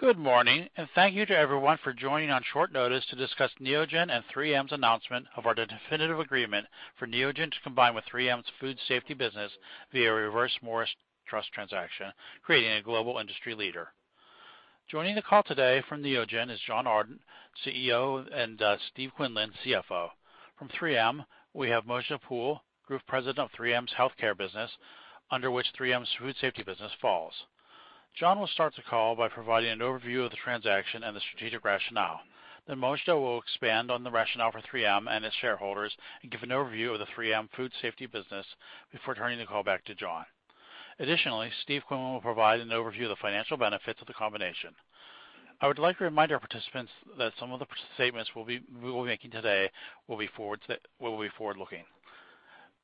Good morning, and thank you to everyone for joining on short notice to discuss Neogen and 3M's announcement of our definitive agreement for Neogen to combine with 3M's Food Safety business via a Reverse Morris Trust transaction, creating a global industry leader. Joining the call today from Neogen is John Adent, CEO, and Steve Quinlan, CFO. From 3M, we have Mojdeh Poul, Group President of 3M's Health Care business, under which 3M's Food Safety business falls. John will start the call by providing an overview of the transaction and the strategic rationale. Mojdeh will expand on the rationale for 3M and its shareholders and give an overview of the 3M Food Safety business before turning the call back to John. Additionally, Steve Quinlan will provide an overview of the financial benefits of the combination. I would like to remind our participants that some of the statements we will be making today will be forward-looking.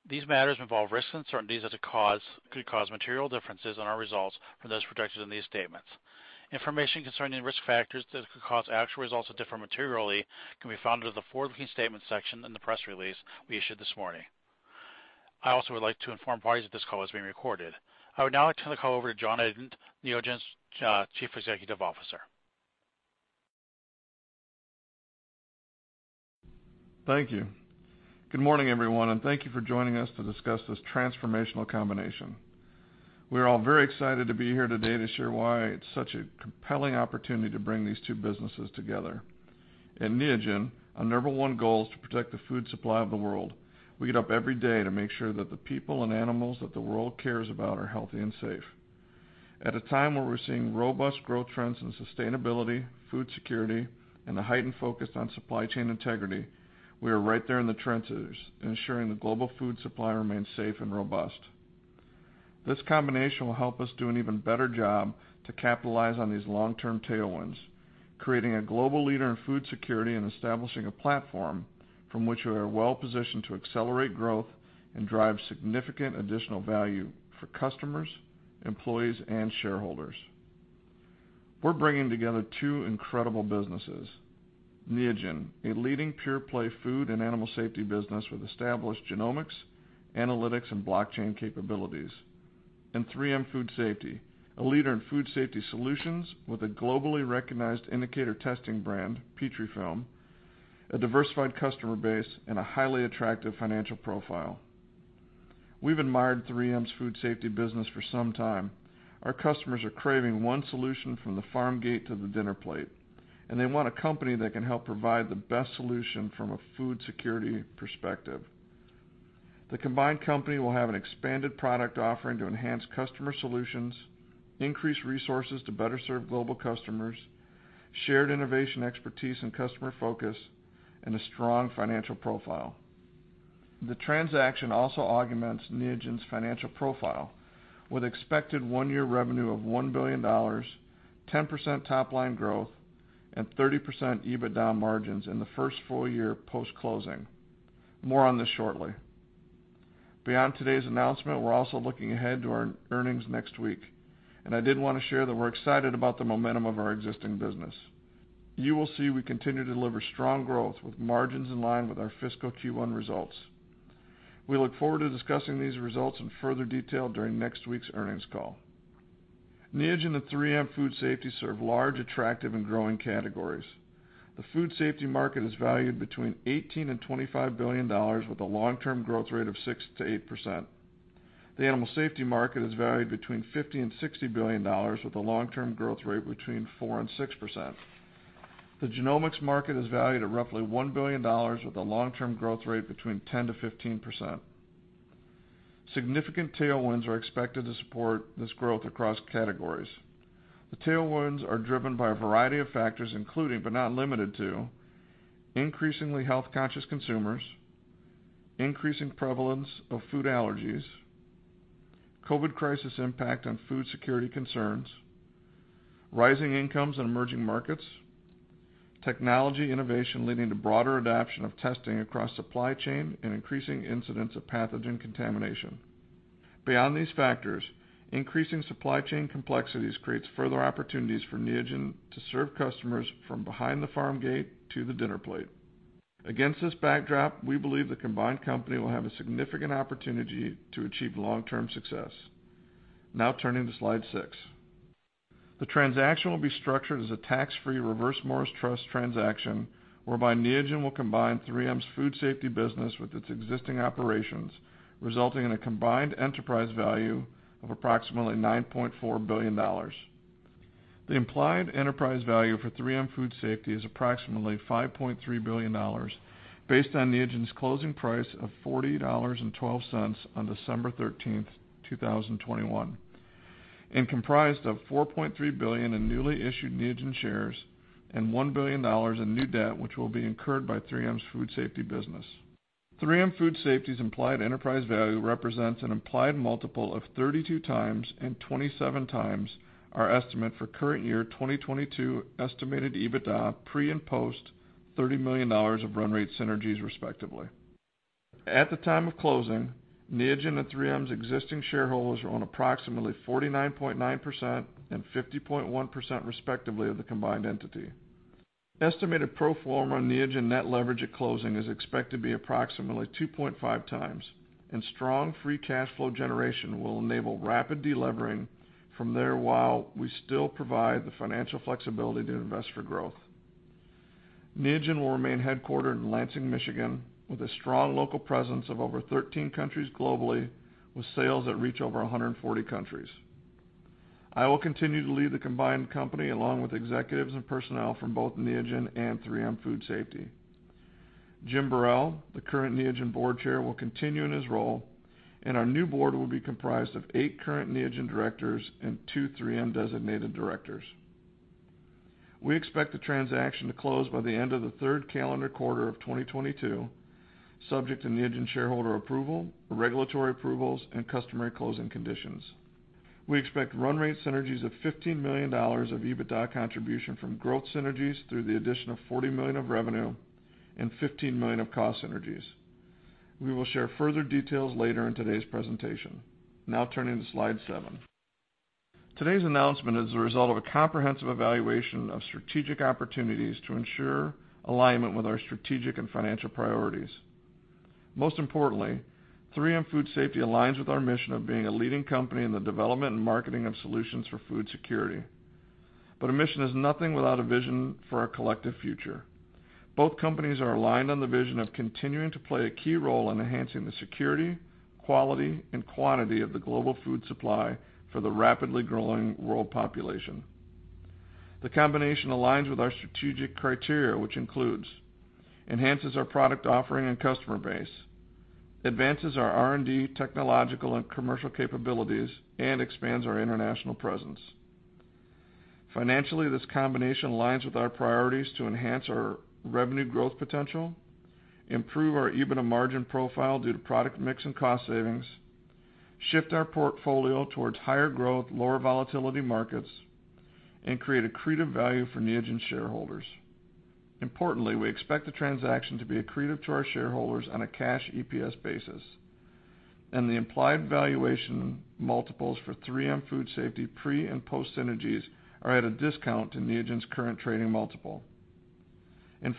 These matters involve risks and uncertainties that could cause material differences in our results from those projected in these statements. Information concerning risk factors that could cause actual results to differ materially can be found under the Forward Looking Statements section in the press release we issued this morning. I also would like to inform parties that this call is being recorded. I would now like to turn the call over to John Adent, Neogen's Chief Executive Officer. Thank you. Good morning, everyone, and thank you for joining us to discuss this transformational combination. We're all very excited to be here today to share why it's such a compelling opportunity to bring these two businesses together. At Neogen, our number one goal is to protect the food supply of the world. We get up every day to make sure that the people and animals that the world cares about are healthy and safe. At a time where we're seeing robust growth trends in sustainability, food security, and a heightened focus on supply chain integrity, we are right there in the trenches, ensuring the global food supply remains safe and robust. This combination will help us do an even better job to capitalize on these long-term tailwinds, creating a global leader in food security and establishing a platform from which we are well-positioned to accelerate growth and drive significant additional value for customers, employees, and shareholders. We're bringing together two incredible businesses. Neogen, a leading pure play food and animal safety business with established genomics, analytics, and blockchain capabilities. 3M Food Safety, a leader in food safety solutions with a globally recognized indicator testing brand, Petrifilm, a diversified customer base, and a highly attractive financial profile. We've admired 3M's Food Safety business for some time. Our customers are craving one solution from the farm gate to the dinner plate, and they want a company that can help provide the best solution from a food security perspective. The combined company will have an expanded product offering to enhance customer solutions, increase resources to better serve global customers, shared innovation expertise and customer focus, and a strong financial profile. The transaction also augments Neogen's financial profile with expected one-year revenue of $1 billion, 10% top line growth, and 30% EBITDA margins in the first full year post-closing. More on this shortly. Beyond today's announcement, we're also looking ahead to our earnings next week, and I did want to share that we're excited about the momentum of our existing business. You will see we continue to deliver strong growth with margins in line with our fiscal Q1 results. We look forward to discussing these results in further detail during next week's earnings call. Neogen and 3M Food Safety serve large, attractive and growing categories. The food safety market is valued between $18 billion and $25 billion with a long-term growth rate of 6%-8%. The animal safety market is valued between $50 billion and $60 billion with a long-term growth rate between 4% and 6%. The genomics market is valued at roughly $1 billion with a long-term growth rate between 10% to 15%. Significant tailwinds are expected to support this growth across categories. The tailwinds are driven by a variety of factors, including, but not limited to, increasingly health-conscious consumers, increasing prevalence of food allergies, COVID-19 crisis impact on food security concerns, rising incomes in emerging markets, technology innovation leading to broader adoption of testing across supply chain, and increasing incidents of pathogen contamination. Beyond these factors, increasing supply chain complexities creates further opportunities for Neogen to serve customers from behind the farm gate to the dinner plate. Against this backdrop, we believe the combined company will have a significant opportunity to achieve long-term success. Now turning to slide six. The transaction will be structured as a tax-free Reverse Morris Trust transaction, whereby Neogen will combine 3M Food Safety with its existing operations, resulting in a combined enterprise value of approximately $9.4 billion. The implied enterprise value for 3M Food Safety is approximately $5.3 billion based on Neogen's closing price of $40.12 on December 13th, 2021, and comprised of $4.3 billion in newly issued Neogen shares and $1 billion in new debt, which will be incurred by 3M Food Safety. 3M Food Safety's implied enterprise value represents an implied multiple of 32x and 27x our estimate for current year 2022 estimated EBITDA pre- and post $30 million of run rate synergies, respectively. At the time of closing, Neogen and 3M's existing shareholders own approximately 49.9% and 50.1% respectively of the combined entity. Estimated pro forma Neogen net leverage at closing is expected to be approximately 2.5x, and strong free cash flow generation will enable rapid delevering from there, while we still provide the financial flexibility to invest for growth. Neogen will remain headquartered in Lansing, Michigan, with a strong local presence of over 13 countries globally, with sales that reach over 140 countries. I will continue to lead the combined company, along with executives and personnel from both Neogen and 3M Food Safety. Jim Burrell, the current Neogen board chair, will continue in his role, and our new board will be comprised of eight current Neogen directors and two 3M-designated directors. We expect the transaction to close by the end of the third calendar quarter of 2022, subject to Neogen shareholder approval, regulatory approvals, and customary closing conditions. We expect run rate synergies of $15 million of EBITDA contribution from growth synergies through the addition of $40 million of revenue and $15 million of cost synergies. We will share further details later in today's presentation. Now turning to slide seven. Today's announcement is the result of a comprehensive evaluation of strategic opportunities to ensure alignment with our strategic and financial priorities. Most importantly, 3M Food Safety aligns with our mission of being a leading company in the development and marketing of solutions for food security. A mission is nothing without a vision for our collective future. Both companies are aligned on the vision of continuing to play a key role in enhancing the security, quality, and quantity of the global food supply for the rapidly growing world population. The combination aligns with our strategic criteria, which includes enhances our product offering and customer base, advances our R&D, technological, and commercial capabilities, and expands our international presence. Financially, this combination aligns with our priorities to enhance our revenue growth potential, improve our EBITDA margin profile due to product mix and cost savings, shift our portfolio towards higher growth, lower volatility markets, and create accretive value for Neogen shareholders. Importantly, we expect the transaction to be accretive to our shareholders on a cash EPS basis, and the implied valuation multiples for 3M Food Safety pre- and post-synergies are at a discount to Neogen's current trading multiple.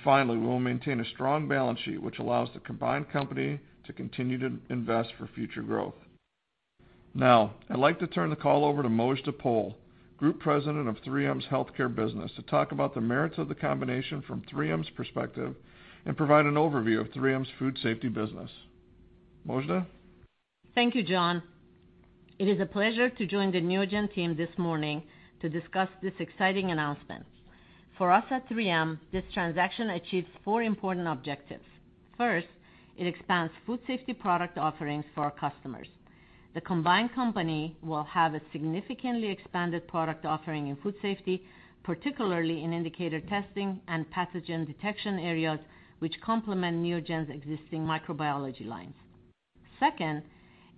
Finally, we will maintain a strong balance sheet which allows the combined company to continue to invest for future growth. Now, I'd like to turn the call over to Mojdeh Poul, Group President of 3M's Health Care Business Group, to talk about the merits of the combination from 3M's perspective and provide an overview of 3M's Food Safety business. Mojdeh? Thank you, John. It is a pleasure to join the Neogen team this morning to discuss this exciting announcement. For us at 3M, this transaction achieves four important objectives. First, it expands Food Safety product offerings for our customers. The combined company will have a significantly expanded product offering in Food Safety, particularly in indicator testing and pathogen detection areas, which complement Neogen's existing microbiology lines. Second,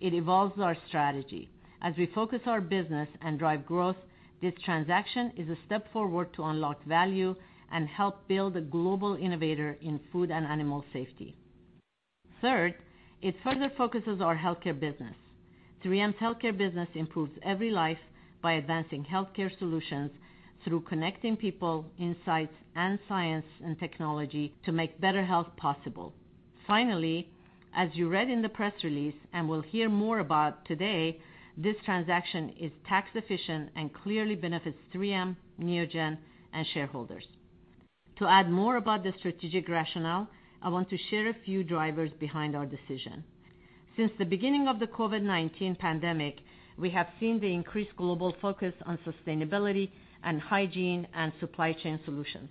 it evolves our strategy. As we focus our business and drive growth, this transaction is a step forward to unlock value and help build a global innovator in food and animal safety. Third, it further focuses our Health Care business. 3M's Health Care business improves every life by advancing healthcare solutions through connecting people, insights, and science and technology to make better health possible. Finally, as you read in the press release and will hear more about today, this transaction is tax efficient and clearly benefits 3M, Neogen, and shareholders. To add more about the strategic rationale, I want to share a few drivers behind our decision. Since the beginning of the COVID-19 pandemic, we have seen the increased global focus on sustainability and hygiene and supply chain solutions,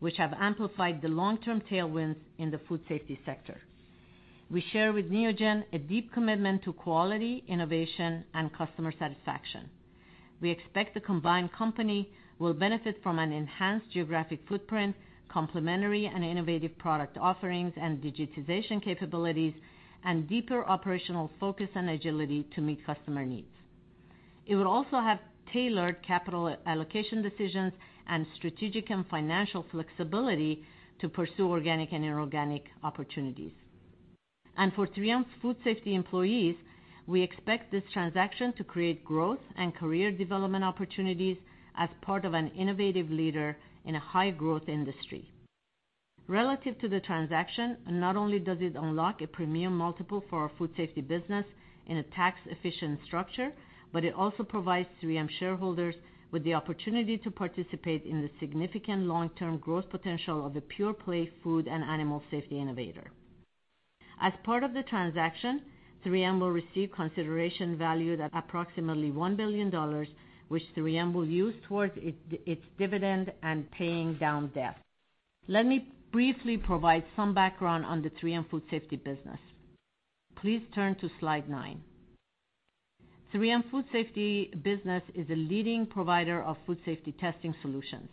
which have amplified the long-term tailwinds in the Food Safety sector. We share with Neogen a deep commitment to quality, innovation, and customer satisfaction. We expect the combined company will benefit from an enhanced geographic footprint, complementary and innovative product offerings, and digitization capabilities, and deeper operational focus and agility to meet customer needs. It will also have tailored capital allocation decisions and strategic and financial flexibility to pursue organic and inorganic opportunities. For 3M's Food Safety employees, we expect this transaction to create growth and career development opportunities as part of an innovative leader in a high-growth industry. Relative to the transaction, not only does it unlock a premium multiple for our Food Safety business in a tax-efficient structure, but it also provides 3M shareholders with the opportunity to participate in the significant long-term growth potential of a pure-play food and animal safety innovator. As part of the transaction, 3M will receive consideration valued at approximately $1 billion, which 3M will use towards its dividend and paying down debt. Let me briefly provide some background on the 3M Food Safety business. Please turn to slide nine. 3M Food Safety business is a leading provider of food safety testing solutions.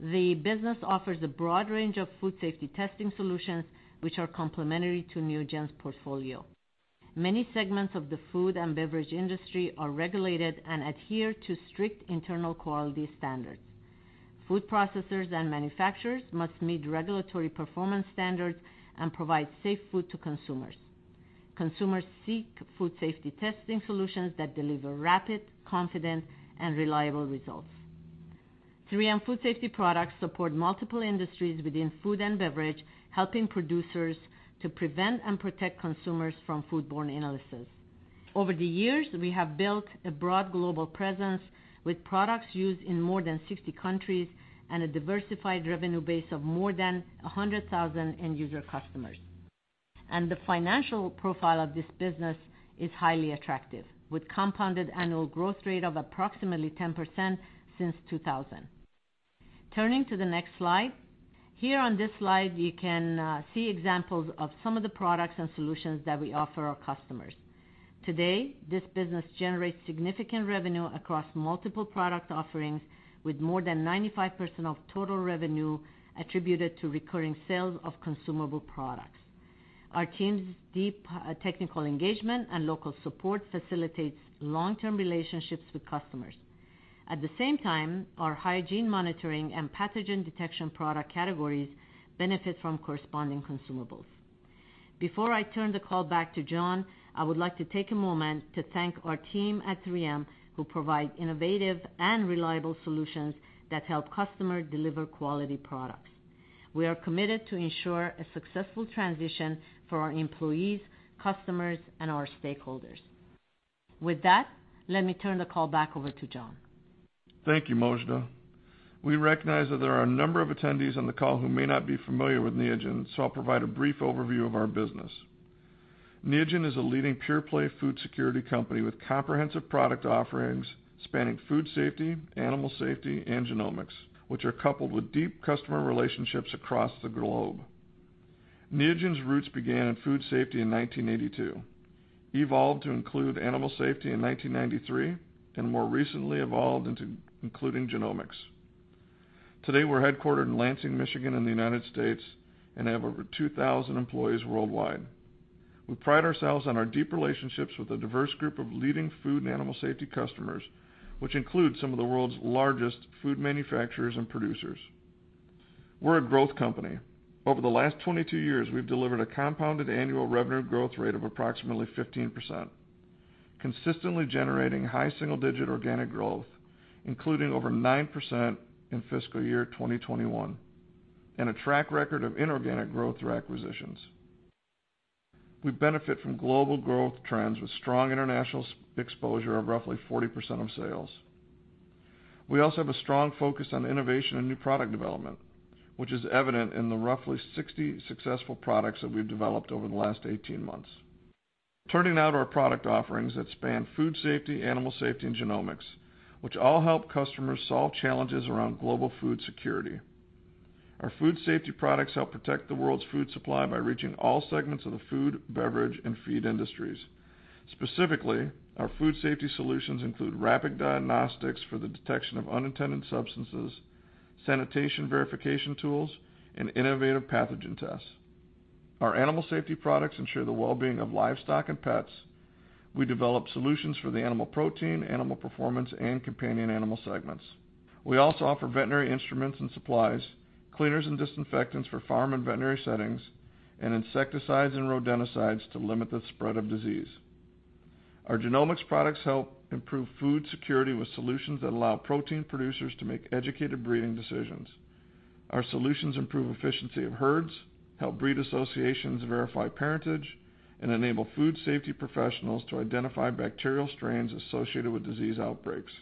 The business offers a broad range of food safety testing solutions, which are complementary to Neogen's portfolio. Many segments of the food and beverage industry are regulated and adhere to strict internal quality standards. Food processors and manufacturers must meet regulatory performance standards and provide safe food to consumers. Consumers seek food safety testing solutions that deliver rapid, confident, and reliable results. 3M Food Safety products support multiple industries within food and beverage, helping producers to prevent and protect consumers from foodborne illnesses. Over the years, we have built a broad global presence with products used in more than 60 countries and a diversified revenue base of more than 100,000 end user customers. The financial profile of this business is highly attractive, with compounded annual growth rate of approximately 10% since 2000. Turning to the next slide. Here on this slide, you can see examples of some of the products and solutions that we offer our customers. Today, this business generates significant revenue across multiple product offerings, with more than 95% of total revenue attributed to recurring sales of consumable products. Our team's deep, technical engagement and local support facilitates long-term relationships with customers. At the same time, our hygiene monitoring and pathogen detection product categories benefit from corresponding consumables. Before I turn the call back to John, I would like to take a moment to thank our team at 3M who provide innovative and reliable solutions that help customer deliver quality products. We are committed to ensure a successful transition for our employees, customers, and our stakeholders. With that, let me turn the call back over to John. Thank you, Mojdeh. We recognize that there are a number of attendees on the call who may not be familiar with Neogen, so I'll provide a brief overview of our business. Neogen is a leading pure-play food safety company with comprehensive product offerings spanning food safety, animal safety, and genomics, which are coupled with deep customer relationships across the globe. Neogen's roots began in food safety in 1982, evolved to include animal safety in 1993, and more recently evolved into including genomics. Today, we're headquartered in Lansing, Michigan in the United States and have over 2,000 employees worldwide. We pride ourselves on our deep relationships with a diverse group of leading food and animal safety customers, which include some of the world's largest food manufacturers and producers. We're a growth company. Over the last 22 years, we've delivered a compound annual revenue growth rate of approximately 15%, consistently generating high single-digit organic growth, including over 9% in fiscal year 2021, and a track record of inorganic growth through acquisitions. We benefit from global growth trends with strong international exposure of roughly 40% of sales. We also have a strong focus on innovation and new product development, which is evident in the roughly 60 successful products that we've developed over the last 18 months. Turning now to our product offerings that span food safety, animal safety, and genomics, which all help customers solve challenges around global food security. Our Food Safety products help protect the world's food supply by reaching all segments of the food, beverage, and feed industries. Specifically, our food safety solutions include rapid diagnostics for the detection of unintended substances, sanitation verification tools, and innovative pathogen tests. Our animal safety products ensure the well-being of livestock and pets. We develop solutions for the animal protein, animal performance, and companion animal segments. We also offer veterinary instruments and supplies, cleaners and disinfectants for farm and veterinary settings, and insecticides and rodenticides to limit the spread of disease. Our genomics products help improve food security with solutions that allow protein producers to make educated breeding decisions. Our solutions improve efficiency of herds, help breed associations verify parentage, and enable food safety professionals to identify bacterial strains associated with disease outbreaks.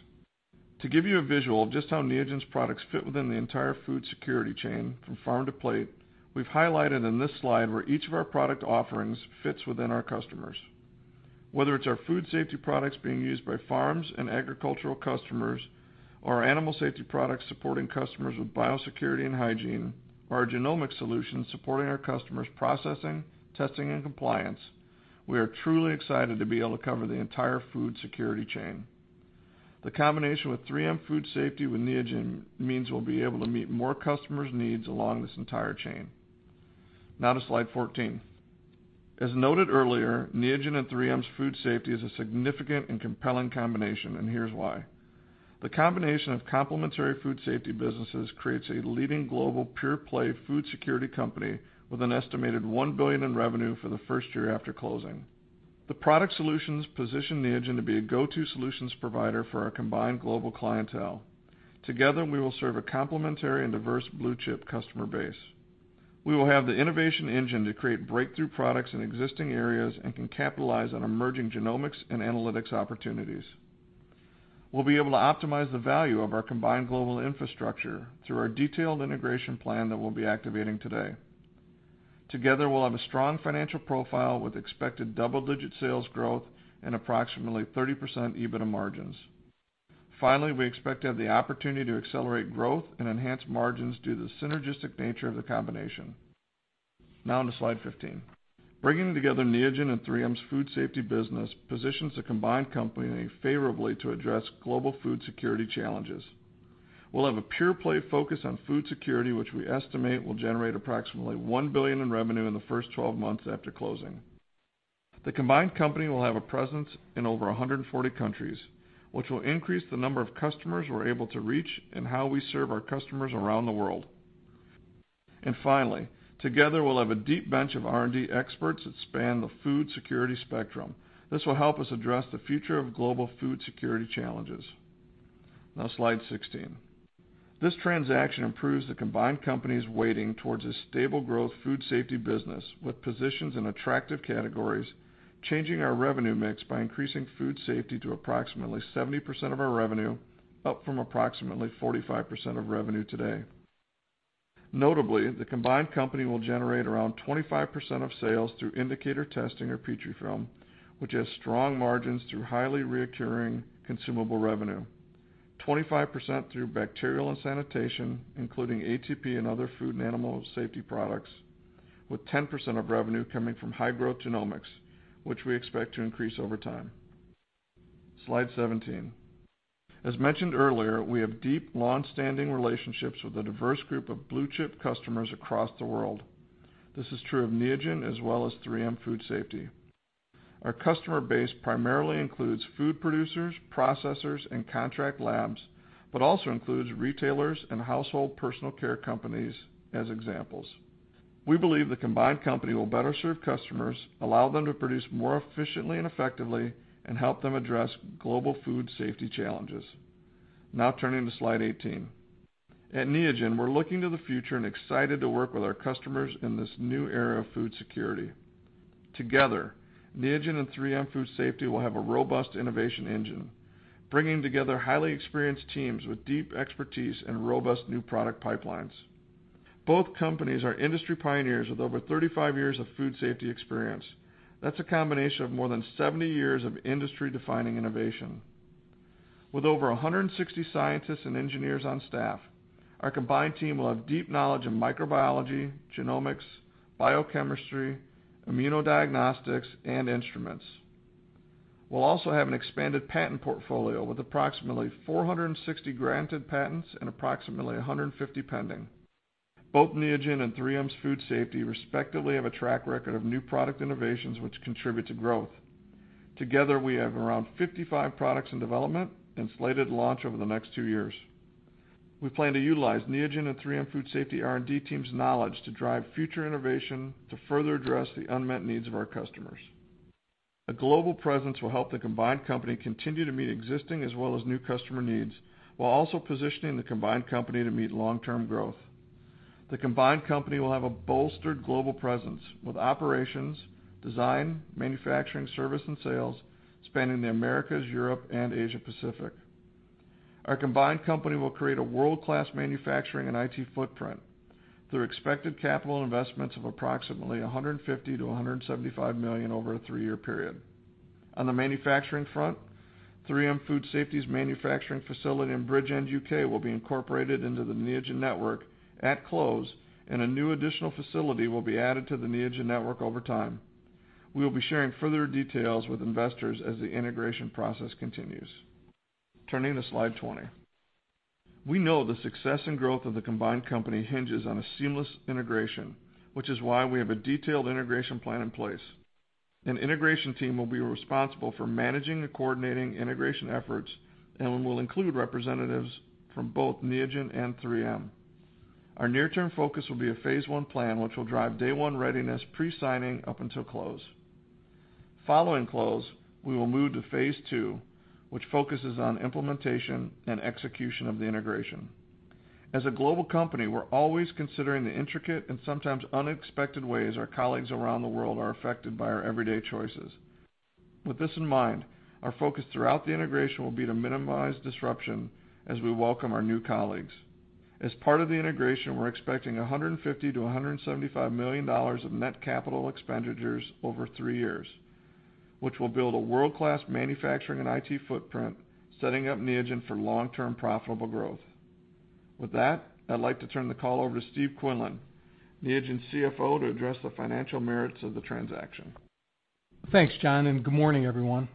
To give you a visual of just how Neogen's products fit within the entire food security chain from farm to plate, we've highlighted in this slide where each of our product offerings fits within our customers. Whether it's our Food Safety products being used by farms and agricultural customers, or our animal safety products supporting customers with biosecurity and hygiene, or our genomic solutions supporting our customers' processing, testing, and compliance, we are truly excited to be able to cover the entire food security chain. The combination with 3M Food Safety with Neogen means we'll be able to meet more customers' needs along this entire chain. Now to slide 14. As noted earlier, Neogen and 3M's Food Safety is a significant and compelling combination, and here's why. The combination of complementary Food Safety businesses creates a leading global pure-play food security company with an estimated $1 billion in revenue for the first year after closing. The product solutions position Neogen to be a go-to solutions provider for our combined global clientele. Together, we will serve a complementary and diverse blue-chip customer base. We will have the innovation engine to create breakthrough products in existing areas and can capitalize on emerging genomics and analytics opportunities. We'll be able to optimize the value of our combined global infrastructure through our detailed integration plan that we'll be activating today. Together, we'll have a strong financial profile with expected double-digit sales growth and approximately 30% EBITDA margins. Finally, we expect to have the opportunity to accelerate growth and enhance margins due to the synergistic nature of the combination. Now on to slide 15. Bringing together Neogen and 3M's Food Safety business positions the combined company favorably to address global food security challenges. We'll have a pure-play focus on food security, which we estimate will generate approximately $1 billion in revenue in the first 12 months after closing. The combined company will have a presence in over 140 countries, which will increase the number of customers we're able to reach and how we serve our customers around the world. Finally, together, we'll have a deep bench of R&D experts that span the food security spectrum. This will help us address the future of global food security challenges. Now, Slide 16. This transaction improves the combined company's weighting towards a stable growth Food Safety business, with positions in attractive categories, changing our revenue mix by increasing food safety to approximately 70% of our revenue, up from approximately 45% of revenue today. Notably, the combined company will generate around 25% of sales through indicator testing or Petrifilm, which has strong margins through highly recurring consumable revenue. 25% through bacterial and sanitation, including ATP and other food and animal safety products, with 10% of revenue coming from high-growth genomics, which we expect to increase over time. Slide 17. As mentioned earlier, we have deep, long-standing relationships with a diverse group of blue-chip customers across the world. This is true of Neogen as well as 3M Food Safety. Our customer base primarily includes food producers, processors, and contract labs, but also includes retailers and household personal care companies as examples. We believe the combined company will better serve customers, allow them to produce more efficiently and effectively, and help them address global food safety challenges. Now turning to Slide 18. At Neogen, we're looking to the future and excited to work with our customers in this new era of food security. Together, Neogen and 3M Food Safety will have a robust innovation engine, bringing together highly experienced teams with deep expertise and robust new product pipelines. Both companies are industry pioneers with over 35 years of food safety experience. That's a combination of more than 70 years of industry-defining innovation. With over 160 scientists and engineers on staff, our combined team will have deep knowledge in microbiology, genomics, biochemistry, immunodiagnostics, and instruments. We'll also have an expanded patent portfolio with approximately 460 granted patents and approximately 150 pending. Both Neogen and 3M's Food Safety respectively have a track record of new product innovations which contribute to growth. Together, we have around 55 products in development and slated to launch over the next 2 years. We plan to utilize Neogen and 3M Food Safety R&D team's knowledge to drive future innovation to further address the unmet needs of our customers. A global presence will help the combined company continue to meet existing as well as new customer needs, while also positioning the combined company to meet long-term growth. The combined company will have a bolstered global presence with operations, design, manufacturing, service, and sales spanning the Americas, Europe, and Asia Pacific. Our combined company will create a world-class manufacturing and IT footprint through expected capital investments of approximately $150 million-$175 million over a three-year period. On the manufacturing front, 3M Food Safety's manufacturing facility in Bridgend, U.K., will be incorporated into the Neogen network at close, and a new additional facility will be added to the Neogen network over time. We'll be sharing further details with investors as the integration process continues. Turning to slide 20. We know the success and growth of the combined company hinges on a seamless integration, which is why we have a detailed integration plan in place. An integration team will be responsible for managing and coordinating integration efforts and will include representatives from both Neogen and 3M. Our near-term focus will be a phase one plan, which will drive day one readiness pre-signing up until close. Following close, we will move to phase two, which focuses on implementation and execution of the integration. As a global company, we're always considering the intricate and sometimes unexpected ways our colleagues around the world are affected by our everyday choices. With this in mind, our focus throughout the integration will be to minimize disruption as we welcome our new colleagues. As part of the integration, we're expecting $150 million-$175 million of net capital expenditures over three years, which will build a world-class manufacturing and IT footprint, setting up Neogen for long-term profitable growth. With that, I'd like to turn the call over to Steve Quinlan, Neogen's CFO, to address the financial merits of the transaction. Thanks, John, and good morning, everyone.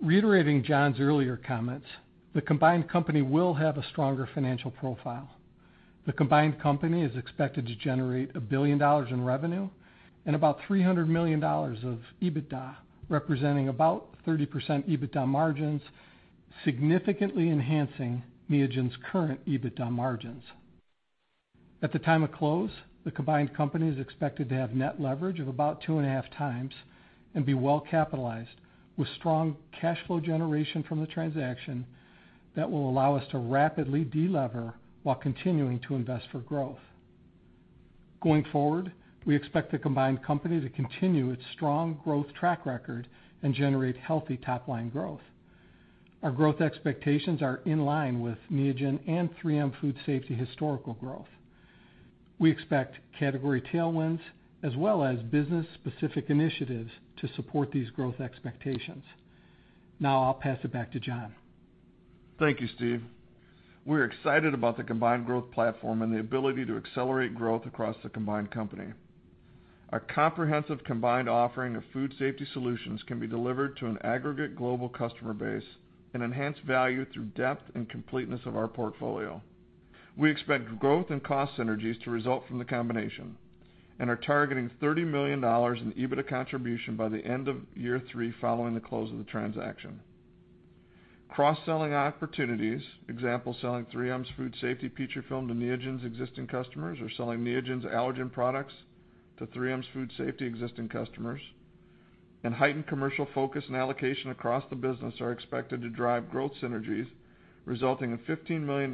Reiterating John's earlier comments, the combined company will have a stronger financial profile. The combined company is expected to generate $1 billion in revenue and about $300 million of EBITDA, representing about 30% EBITDA margins, significantly enhancing Neogen's current EBITDA margins. At the time of close, the combined company is expected to have net leverage of about 2.5x and be well capitalized with strong cash flow generation from the transaction that will allow us to rapidly de-lever while continuing to invest for growth. Going forward, we expect the combined company to continue its strong growth track record and generate healthy top line growth. Our growth expectations are in line with Neogen and 3M Food Safety historical growth. We expect category tailwinds as well as business specific initiatives to support these growth expectations. Now I'll pass it back to John. Thank you, Steve. We're excited about the combined growth platform and the ability to accelerate growth across the combined company. Our comprehensive combined offering of food safety solutions can be delivered to an aggregate global customer base and enhance value through depth and completeness of our portfolio. We expect growth and cost synergies to result from the combination and are targeting $30 million in EBITDA contribution by the end of year three following the close of the transaction. Cross-selling opportunities, for example, selling 3M's Food Safety Petrifilm to Neogen's existing customers or selling Neogen's allergen products to 3M's Food Safety existing customers. Heightened commercial focus and allocation across the business are expected to drive growth synergies, resulting in $15 million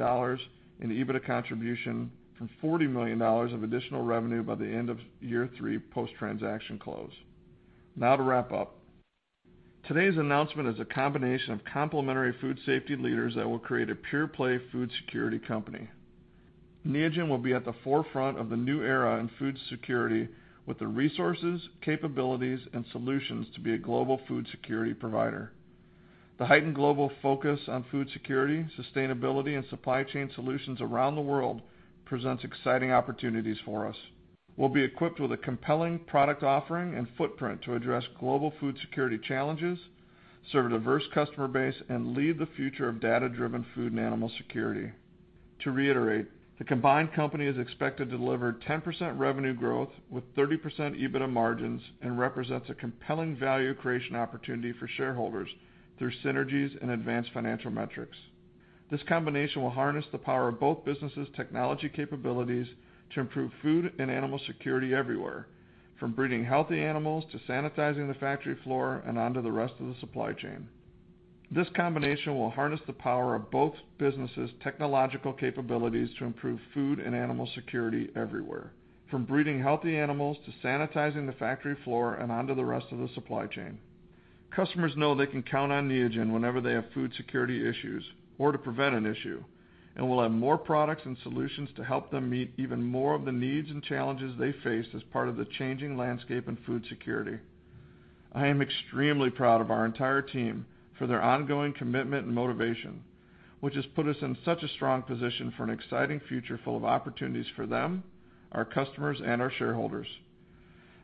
in EBITDA contribution from $40 million of additional revenue by the end of year three post-transaction close. Now to wrap up. Today's announcement is a combination of complementary food safety leaders that will create a pure-play food security company. Neogen will be at the forefront of the new era in food security with the resources, capabilities, and solutions to be a global food security provider. The heightened global focus on food security, sustainability, and supply chain solutions around the world presents exciting opportunities for us. We'll be equipped with a compelling product offering and footprint to address global food security challenges, serve a diverse customer base, and lead the future of data-driven food and animal security. To reiterate, the combined company is expected to deliver 10% revenue growth with 30% EBITDA margins and represents a compelling value creation opportunity for shareholders through synergies and advanced financial metrics. This combination will harness the power of both businesses' technological capabilities to improve food and animal security everywhere, from breeding healthy animals to sanitizing the factory floor and onto the rest of the supply chain. Customers know they can count on Neogen whenever they have food security issues or to prevent an issue. We'll have more products and solutions to help them meet even more of the needs and challenges they face as part of the changing landscape in food security. I am extremely proud of our entire team for their ongoing commitment and motivation, which has put us in such a strong position for an exciting future full of opportunities for them, our customers, and our shareholders.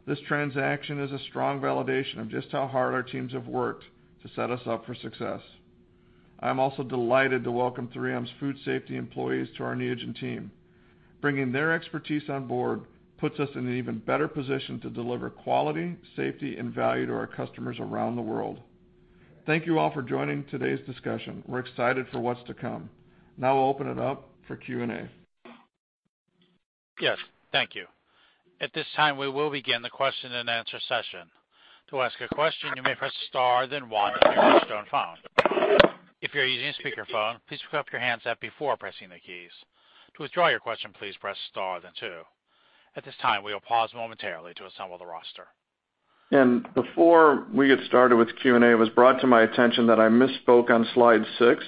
This transaction is a strong validation of just how hard our teams have worked to set us up for success. I'm also delighted to welcome 3M Food Safety employees to our Neogen team. Bringing their expertise on board puts us in an even better position to deliver quality, safety, and value to our customers around the world. Thank you all for joining today's discussion. We're excited for what's to come. Now I'll open it up for Q&A. Yes. Thank you. At this time, we will begin the question-and-answer session. To ask a question, you may press star then one on your touchtone phone. If you're using a speakerphone, please pick up your handset before pressing the keys. To withdraw your question, please press star then two. At this time, we will pause momentarily to assemble the roster. Before we get started with Q&A, it was brought to my attention that I misspoke on slide six.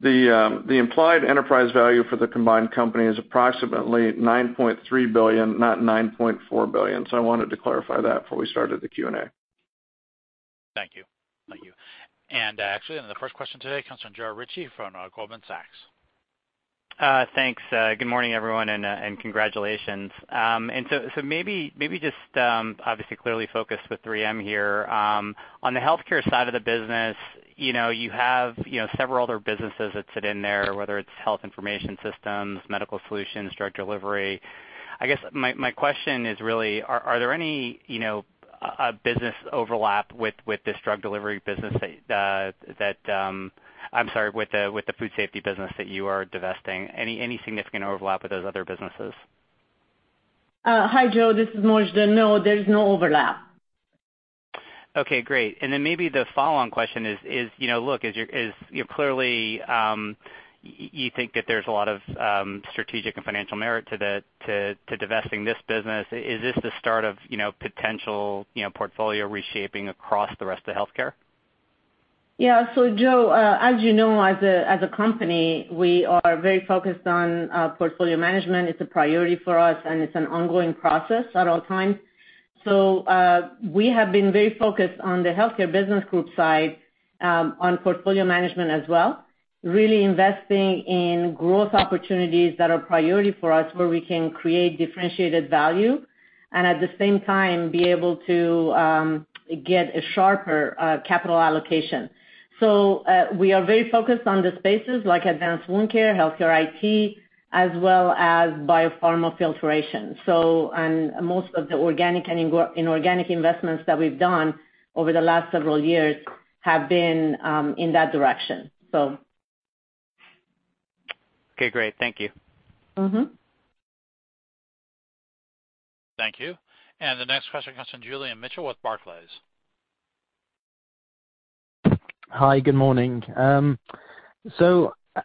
The implied enterprise value for the combined company is approximately $9.3 billion, not $9.4 billion. I wanted to clarify that before we started the Q&A. Thank you. Thank you. Actually, the first question today comes from Joe Ritchie from Goldman Sachs. Thanks. Good morning, everyone, and congratulations. Maybe just obviously clearly focused with 3M here. On the Health Care side of the business, you know, you have, you know, several other businesses that sit in there, whether it's Health Information Systems, Medical Solutions, drug delivery. I guess my question is really, are there any, you know, a business overlap, I'm sorry, with the Food Safety business that you are divesting? Any significant overlap with those other businesses? Hi, Joe. This is Mojdeh. No, there's no overlap. Okay, great. Then maybe the follow-on question is, you know, look, is your, you know, clearly, you think that there's a lot of strategic and financial merit to divesting this business. Is this the start of, you know, potential, you know, portfolio reshaping across the rest of healthcare? Yeah. Joe, as you know, as a company, we are very focused on portfolio management. It's a priority for us, and it's an ongoing process at all times. We have been very focused on the Health Care Business Group side, on portfolio management as well, really investing in growth opportunities that are priority for us, where we can create differentiated value and at the same time, be able to get a sharper capital allocation. We are very focused on the spaces like Advanced Wound Care, Health Care IT, as well as Biopharma Filtration. Most of the organic and inorganic investments that we've done over the last several years have been in that direction. Okay, great. Thank you. Mm-hmm. Thank you. The next question comes from Julian Mitchell with Barclays. Hi, good morning.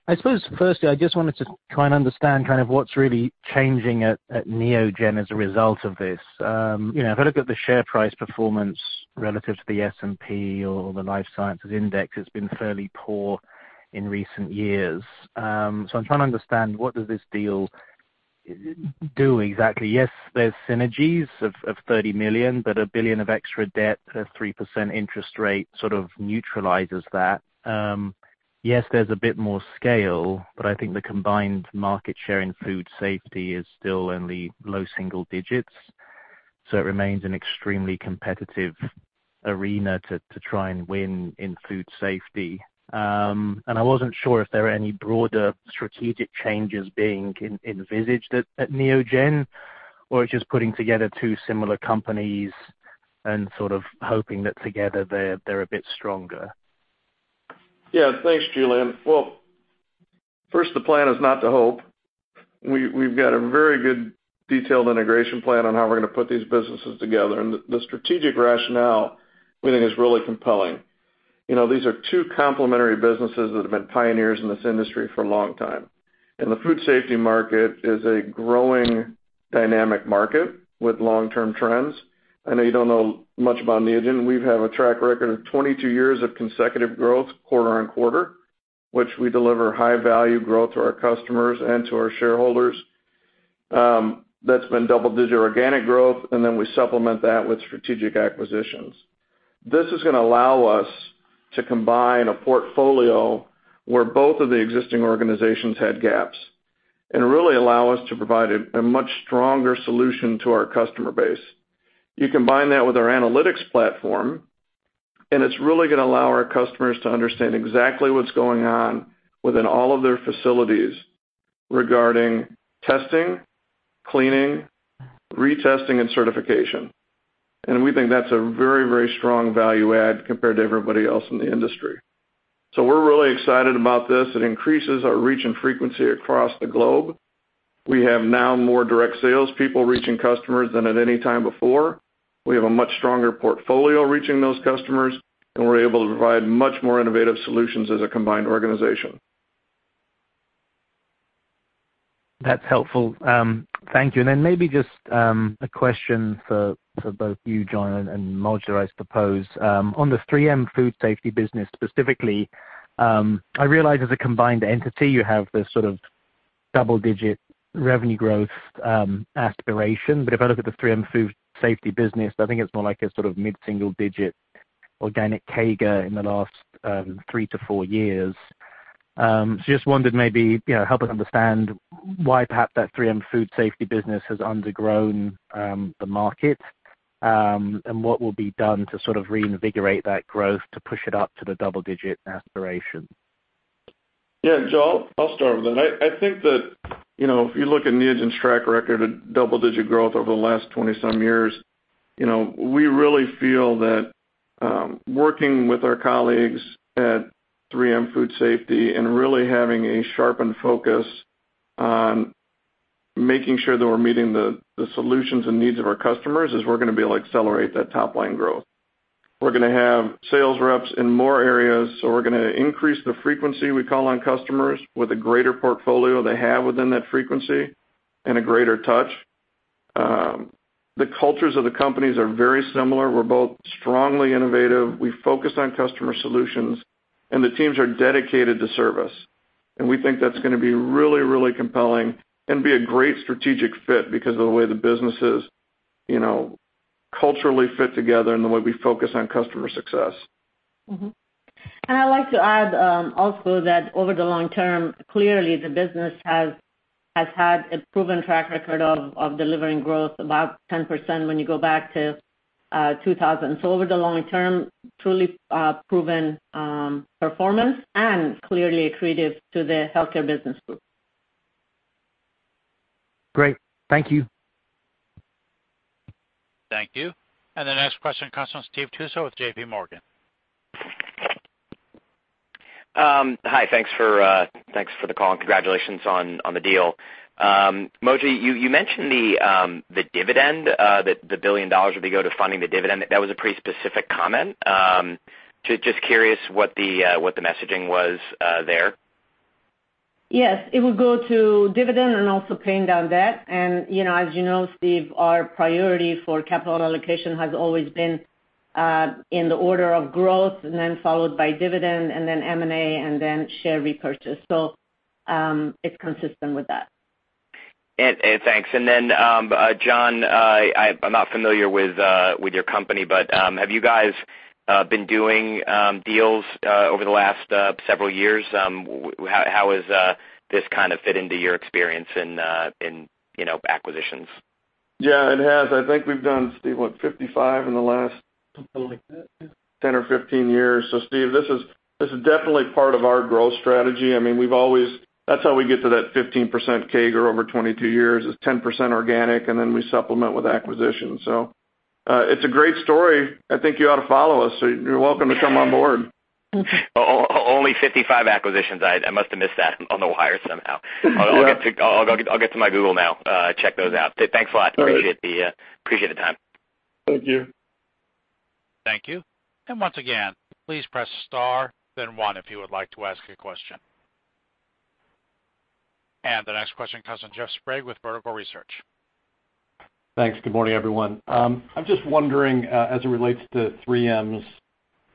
I suppose firstly, I just wanted to try and understand kind of what's really changing at Neogen as a result of this. You know, if I look at the share price performance relative to the S&P or the life sciences index, it's been fairly poor in recent years. I'm trying to understand what does this deal do exactly? Yes, there's synergies of $30 million, but $1 billion of extra debt at 3% interest rate sort of neutralizes that. Yes, there's a bit more scale, but I think the combined market share in Food Safety is still only low single digits. It remains an extremely competitive arena to try and win in Food Safety. I wasn't sure if there are any broader strategic changes being envisioned at Neogen, or it's just putting together two similar companies and sort of hoping that together they're a bit stronger. Yeah, thanks, Julian. Well, first, the plan is not to hope. We've got a very good detailed integration plan on how we're gonna put these businesses together, and the strategic rationale we think is really compelling. You know, these are two complementary businesses that have been pioneers in this industry for a long time. The Food Safety market is a growing dynamic market with long-term trends. I know you don't know much about Neogen. We have a track record of 22 years of consecutive growth quarter-on-quarter, which we deliver high value growth to our customers and to our shareholders. That's been double digit organic growth, and then we supplement that with strategic acquisitions. This is gonna allow us to combine a portfolio where both of the existing organizations had gaps, and really allow us to provide a much stronger solution to our customer base. You combine that with our analytics platform, and it's really gonna allow our customers to understand exactly what's going on within all of their facilities regarding testing, cleaning, retesting, and certification. We think that's a very, very strong value add compared to everybody else in the industry. We're really excited about this. It increases our reach and frequency across the globe. We have now more direct sales people reaching customers than at any time before. We have a much stronger portfolio reaching those customers, and we're able to provide much more innovative solutions as a combined organization. That's helpful. Thank you. Then maybe just a question for both you, John, and Mojdeh, I suppose. On the 3M Food Safety business specifically, I realize as a combined entity you have this sort of double-digit revenue growth aspiration. If I look at the 3M Food Safety business, I think it's more like a sort of mid-single-digit organic CAGR in the last three to four years. Just wondered, maybe, you know, help us understand why perhaps that 3M Food Safety business has undergrown the market, and what will be done to sort of reinvigorate that growth to push it up to the double-digit aspiration. Yeah, Julian, I'll start with that. I think that, you know, if you look at Neogen's track record of double-digit growth over the last 20-some years, you know, we really feel that, working with our colleagues at 3M Food Safety and really having a sharpened focus on making sure that we're meeting the solutions and needs of our customers is we're gonna be able to accelerate that top line growth. We're gonna have sales reps in more areas, so we're gonna increase the frequency we call on customers with a greater portfolio they have within that frequency and a greater touch. The cultures of the companies are very similar. We're both strongly innovative. We focus on customer solutions, and the teams are dedicated to service. We think that's gonna be really, really compelling and be a great strategic fit because of the way the businesses, you know, culturally fit together and the way we focus on customer success. Mm-hmm. I'd like to add also that over the long term, clearly the business has had a proven track record of delivering growth about 10% when you go back to 2000. Over the long term, truly proven performance and clearly accretive to the Health Care Business Group. Great. Thank you. Thank you. The next question comes from Steve Tusa with JPMorgan. Hi. Thanks for the call, and congratulations on the deal. Mojdeh, you mentioned the dividend that the $1 billion would go to funding the dividend. That was a pretty specific comment. Just curious what the messaging was there. Yes. It would go to dividend and also paying down debt. You know, Steve, our priority for capital allocation has always been in the order of growth and then followed by dividend and then M&A, and then share repurchase. It's consistent with that. Thanks. John, I'm not familiar with your company, but have you guys been doing deals over the last several years? How has this kind of fit into your experience in, you know, acquisitions? Yeah, it has. I think we've done, Steve, what, 55 in the last- Something like that, yeah.... 10 or 15 years. Steve, this is definitely part of our growth strategy. I mean, we've always. That's how we get to that 15% CAGR over 22 years. It's 10% organic, and then we supplement with acquisitions. It's a great story. I think you ought to follow us. You're welcome to come on board. Only 55 acquisitions. I must have missed that on the wire somehow. Yeah. I'll get to my Google now, check those out. Thanks a lot. All right. Appreciate it. Appreciate the time. Thank you. Thank you. Once again, please press star then one if you would like to ask a question. The next question comes from Jeff Sprague with Vertical Research Partners. Thanks. Good morning, everyone. I'm just wondering, as it relates to 3M's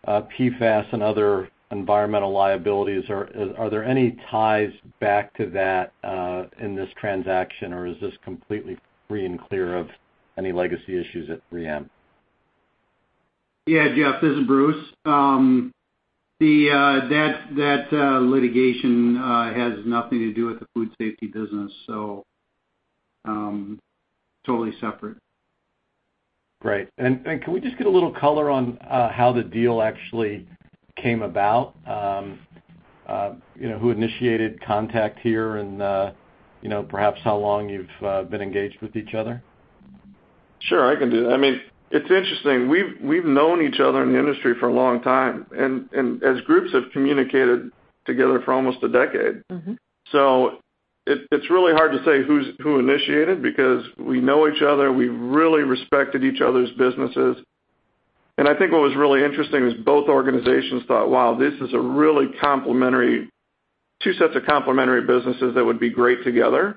PFAS and other environmental liabilities, are there any ties back to that in this transaction, or is this completely free and clear of any legacy issues at 3M? Yeah, Jeff, this is Bruce. The litigation has nothing to do with the Food Safety business, so totally separate. Great. Can we just get a little color on how the deal actually came about? You know, who initiated contact here and, you know, perhaps how long you've been engaged with each other? Sure, I can do that. I mean, it's interesting. We've known each other in the industry for a long time, and as groups have communicated together for almost a decade. Mm-hmm. It's really hard to say who initiated, because we know each other, we really respected each other's businesses. I think what was really interesting was both organizations thought, "Wow, this is a really complementary two sets of complementary businesses that would be great together."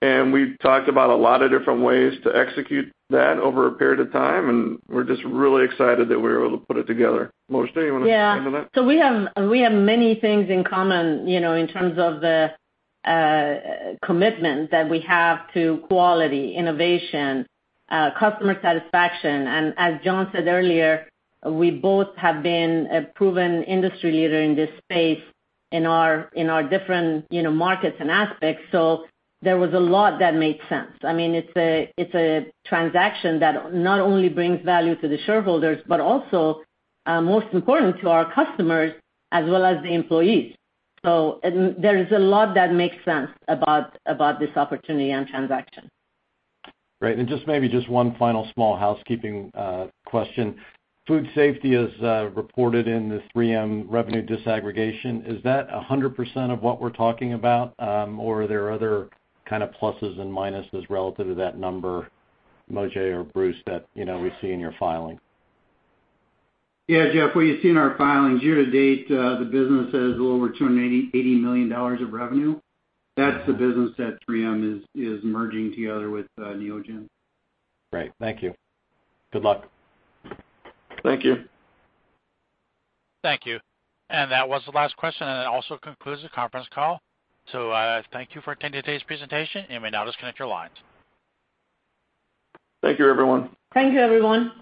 We've talked about a lot of different ways to execute that over a period of time, and we're just really excited that we were able to put it together. Mojdeh, you wanna handle that? Yeah. We have many things in common, you know, in terms of the commitment that we have to quality, innovation, customer satisfaction. As John said earlier, we both have been a proven industry leader in this space in our different, you know, markets and aspects. There was a lot that made sense. I mean, it's a transaction that not only brings value to the shareholders, but also, most important to our customers as well as the employees. There is a lot that makes sense about this opportunity and transaction. Great. Just maybe one final small housekeeping question. Food Safety is reported in the 3M revenue disaggregation. Is that 100% of what we're talking about, or are there other kind of pluses and minuses relative to that number, Mojdeh or Bruce, that you know we see in your filing? Yeah, Jeff, what you see in our filings year to date, the business has a little over $280 million of revenue. That's the business that 3M is merging together with Neogen. Great. Thank you. Good luck. Thank you. Thank you. That was the last question, and it also concludes the conference call. Thank you for attending today's presentation. You may now disconnect your lines. Thank you, everyone. Thank you, everyone.